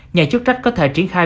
nhà chức trách có thể triển khai